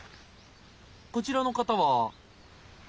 こちらの方は。